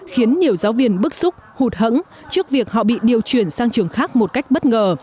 khiến nhiều giáo viên bức xúc hụt hẫng trước việc họ bị điều chuyển sang trường khác một cách bất ngờ